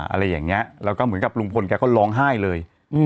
อะไรอย่างนี้แล้วก็เหมือนกับลุงพลแกก็ร้องไห้เลย